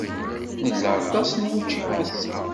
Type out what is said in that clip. Nla aṭas n wučči ass-a.